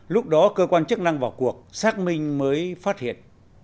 lúc đó cơ quan chức năng vào cuộc xác minh mới phát hiện